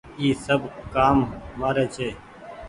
اي سب ڪآم مآري ڇي۔